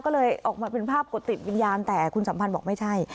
ก็เลยออกมาเป็นภาพกดติดวิญญาณแต่คุณสัมพันธ์บอกไม่ใช่